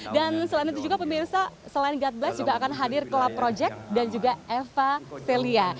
dan selain itu juga pemirsa selain god bersama juga akan hadir ke lab project dan juga eva celia